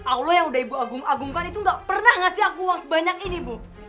allah yang udah ibu agung agungkan itu gak pernah ngasih aku uang sebanyak ini bu